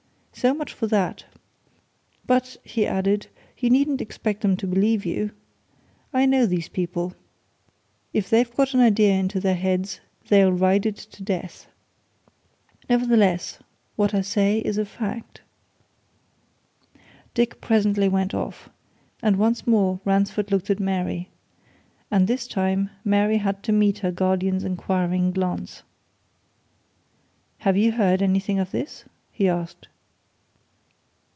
So much for that! But," he added, "you needn't expect them to believe you. I know these people if they've got an idea into their heads they'll ride it to death. Nevertheless, what I say is a fact." Dick presently went off and once more Ransford looked at Mary. And this time, Mary had to meet her guardian's inquiring glance. "Have you heard anything of this?" he asked.